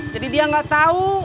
jadi dia gak tau